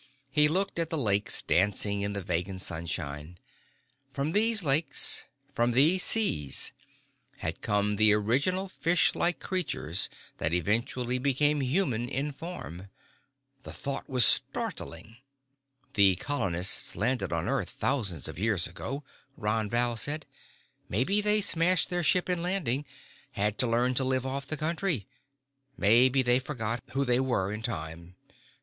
He looked at the lakes dancing in the Vegan sunshine. From these lakes, from these seas, had come the original fish like creature that eventually became human in form! The thought was startling. "The colonists landed on earth thousands of years ago," Ron Val said. "Maybe they smashed their ship in landing, had to learn to live off the country. Maybe they forgot who they were, in time.